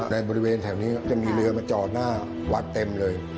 ในบริเวณแถวนี้จะมีเรือมาจอดหน้าวัดเต็มเลย